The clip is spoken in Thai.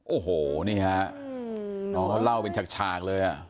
โอ้โหนี่ฮะน้องเขาเล่าเป็นฉากเลย